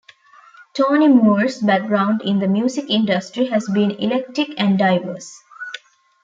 Tony Moore's background in the music industry has been eclectic and diverse.